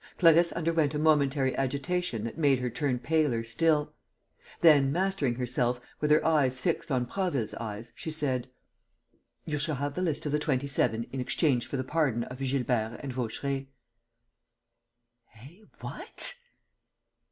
Clarisse underwent a momentary agitation that made her turn paler still. Then, mastering herself, with her eyes fixed on Prasville's eyes, she said: "You shall have the list of the Twenty seven in exchange for the pardon of Gilbert and Vaucheray." "Eh? What?"